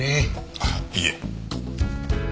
あっいえ。